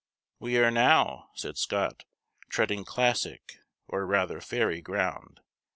We are now, said Scott, treading classic, or rather fairy ground.